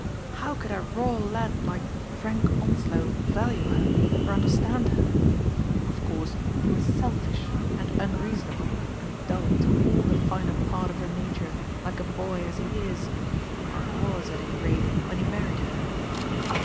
How could a raw lad like Frank Onslow value her or understand her ? Of course, he was selfish and unreasonable and dull to all the finer part of her nature, like a boy as he is — or was, at any rate, when he married her